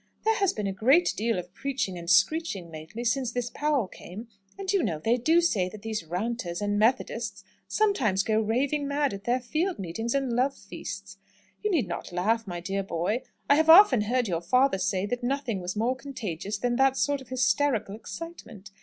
There has been a great deal of preaching and screeching lately, since this Powell came; and, you know, they do say that these Ranters and Methodists sometimes go raving mad at their field meetings and love feasts. You need not laugh, my dear boy; I have often heard your father say that nothing was more contagious than that sort of hysterical excitement.